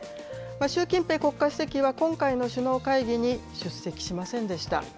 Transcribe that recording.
習近平国家主席は、今回の首脳会議に出席しませんでした。